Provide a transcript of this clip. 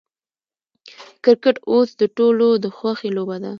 کرکټ اوس د ټولو د خوښې لوبه ده.